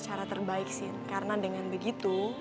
cara terbaik sih karena dengan begitu